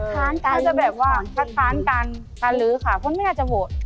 ถ้าจะแบบว่าคัดค้างการรื้อค่ะพ่อแม่จะโหวต